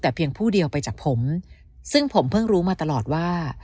แต่เพียงผู้เดียวไปจากผมซึ่งผมเพิ่งรู้มาตลอดว่า